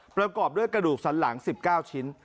ประกอบด้วยกระดูกสันหลัง๑๙ชิ้น